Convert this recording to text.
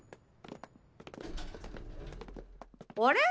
あれ？